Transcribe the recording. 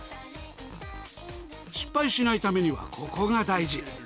失敗しないためにはここが大事。